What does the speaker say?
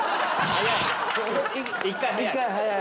早い！